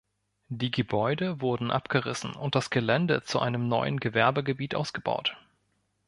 Die Gebäude wurden abgerissen und das Gelände zu einem neuen Gewerbegebiet ausgebaut.